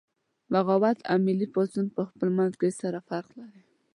بغاوت او ملي پاڅون پخپل منځ کې سره فرق لري